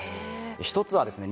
一つはですね